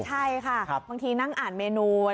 ใช่ค่ะบางทีนั่งอ่านเมนู